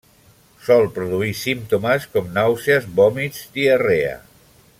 Sol produir símptomes com: nàusees, vòmits, diarrea.